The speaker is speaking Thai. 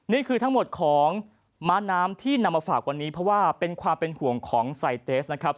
นี่คือทั้งหมดของม้าน้ำที่นำมาฝากวันนี้เพราะว่าเป็นความเป็นห่วงของไซเตสนะครับ